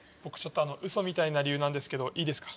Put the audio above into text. ウソみたいな理由なんですけどいいですか？